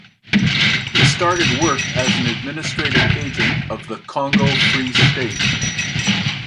He started work as an administrative agent of the Congo Free State.